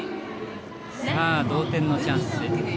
同点のチャンス。